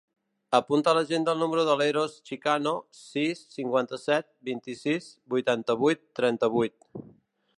Apunta a l'agenda el número de l'Eros Chicano: sis, cinquanta-set, vint-i-sis, vuitanta-vuit, trenta-vuit.